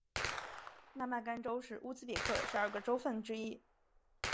纳曼干州是乌兹别克十二个州份之一。